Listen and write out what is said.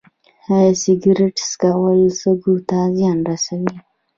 ایا سګرټ څکول سږو ته زیان رسوي